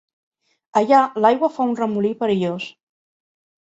Allà l'aigua fa un remolí perillós.